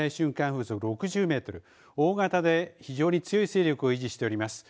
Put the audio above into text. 風速６０メートル、大型で非常に強い勢力を維持しております。